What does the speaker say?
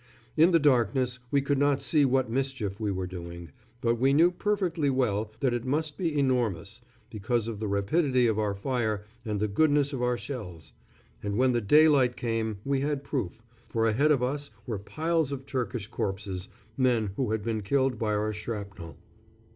In the darkness we could not see what mischief we were doing, but we knew perfectly well that it must be enormous, because of the rapidity of our fire and the goodness of our shells; and when the daylight came we had proof, for ahead of us were piles of Turkish corpses, men who had been killed by our shrapnel.